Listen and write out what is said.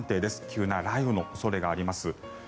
急な雷雨の恐れがあります。